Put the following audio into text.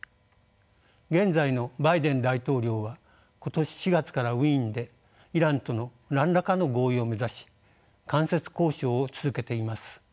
現在のバイデン大統領は今年４月からウィーンでイランとの何らかの合意を目指し間接交渉を続けています。